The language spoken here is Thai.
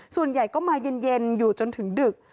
ส่วนใหญ่ก็มาเย็นอยู่จนถึงดึก